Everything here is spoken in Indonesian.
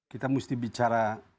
kita mesti bicara